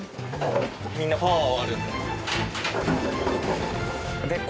みんなパワーはあるんで。